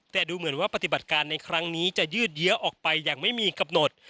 แต่ดูเหมือนว่าปฏิบัติการในครั้งนี้จะยืดเยอะออกไปอย่างไม่มีกำหนด